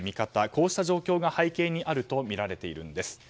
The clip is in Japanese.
こうした状況が背景にあるとみられているんです。